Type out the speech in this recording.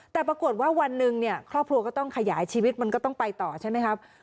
แต่ปรากฏว่าวันหนึ่งเนี่ยครอบครัวก็ต้องขยายชีวิตมันก็ต้องไปต่อใช่ไหมครับ